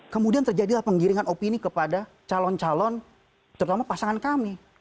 kemudian terjadilah penggiringan opini kepada calon calon terutama pasangan kami